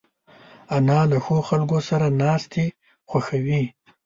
انا له ښو خلکو سره ناستې خوښوي